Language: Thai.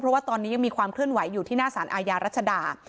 เพราะว่าตอนนี้ยังมีความเคลื่อนไหวอยู่ที่หน้าสารอาญารัชดา